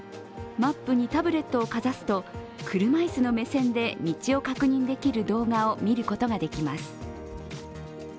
マップにタブレットをかざすと車いすの目線で道を確認できる動画を見ることができます。